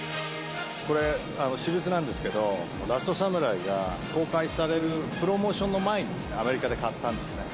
これ、私物なんですけど、ラストサムライが公開されるプロモーションの前に、アメリカで買ったんですね。